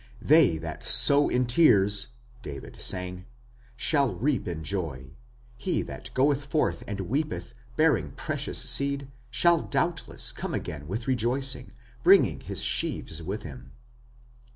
"They that sow in tears", David sang, "shall reap in joy. He that goeth forth and weepeth, bearing precious seed, shall doubtless come again with rejoicing, bringing his sheaves with him."